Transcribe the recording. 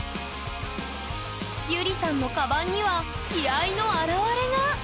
ゆりさんのカバンには気合いの表れが！